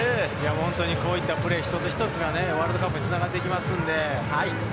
こういったプレー、一つ一つがワールドカップにつながっていきます。